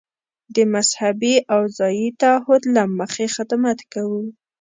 د مذهبي او ځايي تعهد له مخې خدمت کوو.